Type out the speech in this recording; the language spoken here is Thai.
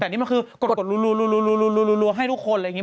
แต่นี่มันคือกดลูให้ทุกคนอะไรอย่างนี้